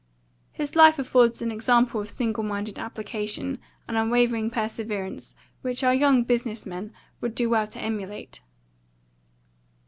His life affords an example of single minded application and unwavering perseverance which our young business men would do well to emulate.